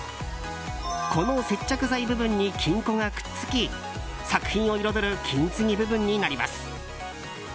この接着剤部分に金粉がくっつき作品を彩る金継ぎ部分になります。